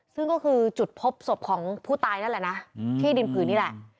ซึ่งก็คือจุดพบศพของผู้ตายนั่นแหละนะที่ดินผืนนี่แหละ